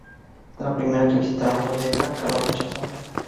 La primera que visitaron fue Decca, que los rechazó.